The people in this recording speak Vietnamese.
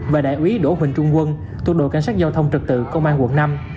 và đại úy đỗ huỳnh trung quân thuộc đội cảnh sát giao thông trật tự công an quận năm